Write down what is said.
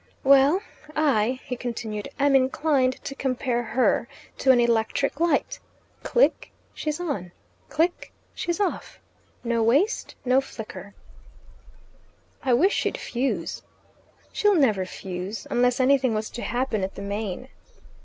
"Well, I," he continued, "am inclined to compare her to an electric light. Click! she's on. Click! she's off. No waste. No flicker." "I wish she'd fuse." "She'll never fuse unless anything was to happen at the main."